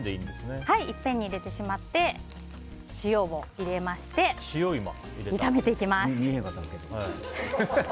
一遍に入れてしまって塩を入れまして炒めていきます。